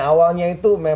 awalnya itu memang